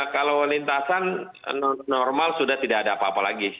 kalau lintasan normal sudah tidak ada apa apa lagi